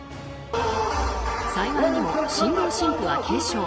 幸いにも新郎新婦は軽傷。